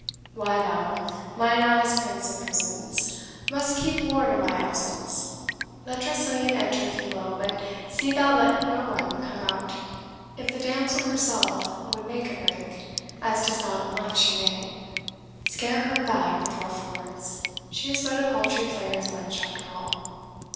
"Why thou, mine honest prince of prisons, must keep ward in my absence. Let Tressilian enter if he will, but see thou let no one come out. If the damsel herself would make a break, as 'tis not unlike she may, scare her back with rough words; she is but a paltry player's wench after all."